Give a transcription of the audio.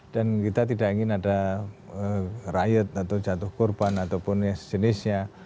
dan kita tidak ingin ada riot atau jatuh korban ataupun sejenisnya